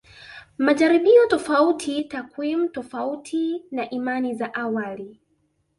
Majaribio tofauti takwimu tofauti na imani za awali